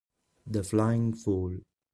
The Flying Fool